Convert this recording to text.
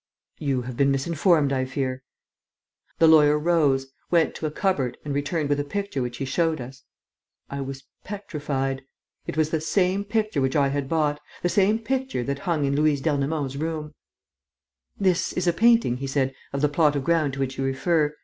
"You have been misinformed, I fear." The lawyer rose, went to a cupboard and returned with a picture which he showed us. I was petrified. It was the same picture which I had bought, the same picture that hung in Louise d'Ernemont's room. "This is a painting," he said, "of the plot of ground to which you refer.